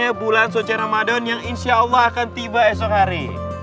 datangnya bulan suci ramadhan yang insyaallah akan tiba esok hari